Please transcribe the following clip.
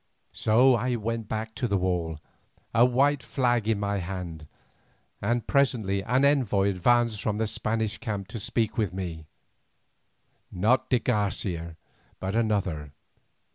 So I went back to the wall, a white flag in my hand, and presently an envoy advanced from the Spanish camp to speak with me—not de Garcia, but another.